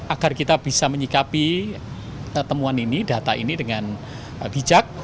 agar kita bisa menyikapi temuan ini data ini dengan bijak